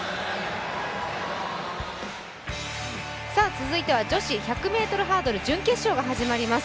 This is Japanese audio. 続いては女子１００ｍハードル準決勝が始まります。